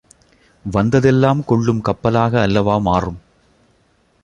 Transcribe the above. வந்ததெல்லாம் கொள்ளும் கப்பலாக அல்லவா மாறும்!